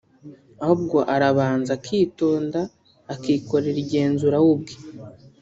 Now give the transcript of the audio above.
ahubwo arabanza akitonda akikorera igenzura we ubwe